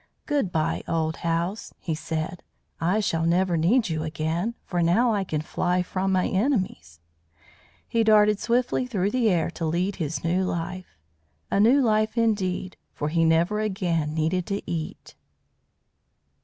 "Good bye, old house," he said. "I shall never need you again, for now I can fly from my enemies." He darted swiftly through the air to lead his new life a new life indeed, for he never again needed to eat.